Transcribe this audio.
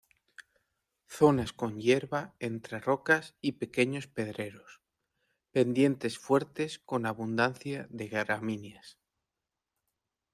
Zonas con hierba entre rocas y pequeños pedreros, pendientes fuertes con abundancia de gramíneas.